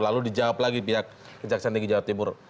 lalu dijawab lagi pihak kejaksaan tinggi jawa timur